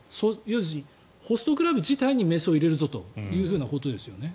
ホストクラブ自体にメスを入れるぞということですよね。